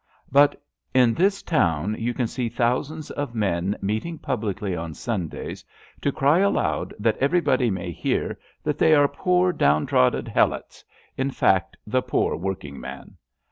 But in this town you can see thousands of men meeting publicly on Sundays to cry aloud that everybody may hear that they are poor, down trodden helots — ^in fact, the pore workingman.